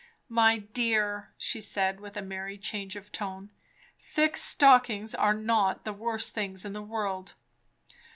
"My dear," she said with a merry change of tone, "thick stockings are not the worst things in the world!"